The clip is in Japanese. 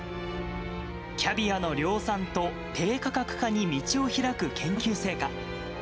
キャビアの量産と低価格化に道を開く研究成果。